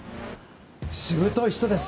しぶとい人です。